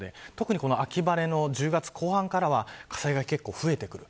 特に秋晴れの１０月後半からは火災が結構増えてきます。